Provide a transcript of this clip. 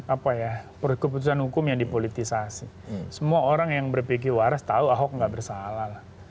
apa ya keputusan hukum yang dipolitisasi semua orang yang berpikir waras tahu ahok nggak bersalah